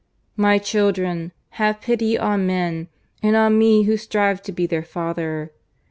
"My children! have pity on men, and on me who strive to be their father.